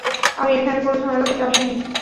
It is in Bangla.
আমি এখানে কোনো ঝামেলা করতে আসিনি।